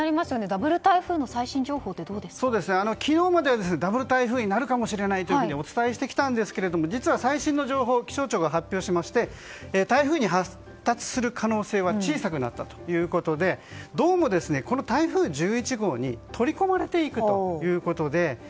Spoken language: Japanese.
ダブル台風の最新情報は昨日まではダブル台風になるかもしれないとお伝えしてきたんですが実は最新の情報を気象庁が発表しまして台風に発達する可能性は小さくなったということでどうも、この台風１１号に取り込まれていくということで。